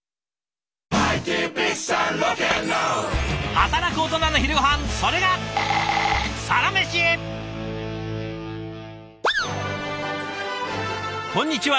働くオトナの昼ごはんそれがこんにちは。